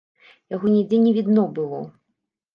Яго нідзе не відно было.